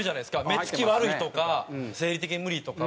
目付き悪いとか生理的に無理とかも。